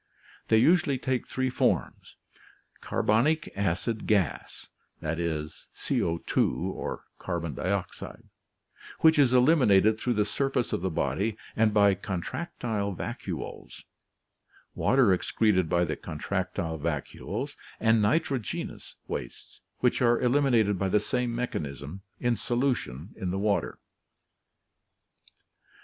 They usually take three forms: carbonic acid gas (CO2), which is eliminated through the surface of the body and by contractile vacuoles; water excreted by the contractile vacuoles; and nitrogenous wastes, which are elim inated by the same mechanism, in solution in the water.